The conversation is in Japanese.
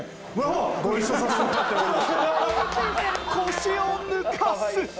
腰を抜かす。